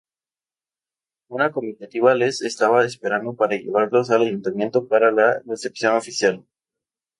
Una comitiva les estaba esperando para llevarlos al ayuntamiento para la recepción oficial.